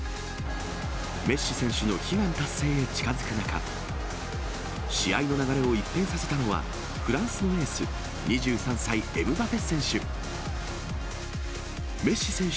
メッシ選手の悲願達成へ近づく中、試合の流れを一変させたのは、フランスのエース、２３歳、エムバペ選手。